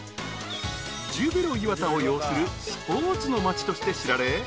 ［ジュビロ磐田を擁するスポーツの町として知られ］